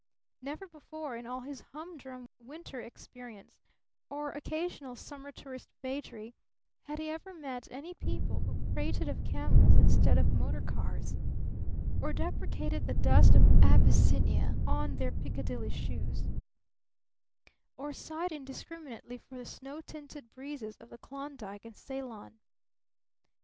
Never before in all his humdrum winter experience, or occasional summer tourist vagary, had he ever met any people who prated of camels instead of motor cars, or deprecated the dust of Abyssinia on their Piccadilly shoes, or sighed indiscriminately for the snow tinted breezes of the Klondike and Ceylon.